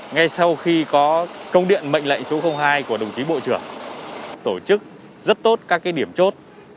ngay sau khi có công điện mệnh lệnh số hai của đồng chí bộ trưởng tổ chức rất tốt các điểm chốt